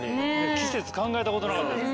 季節考えたことなかった。